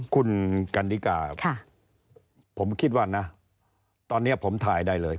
คุณกันดิกาผมคิดว่านะตอนนี้ผมถ่ายได้เลย